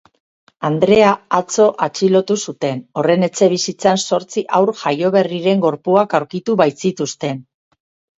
Andrea atzo atxilotu zuten, horren etxebizitzan zortzi haur jaioberriren gorpuak aurkitu baitzituzten.